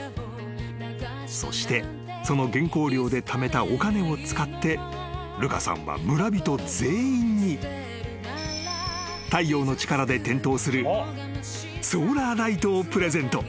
［そしてその原稿料でためたお金を使ってルカさんは村人全員に太陽の力で点灯するソーラーライトをプレゼント］